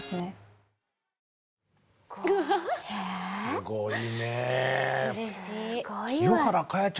すごいね。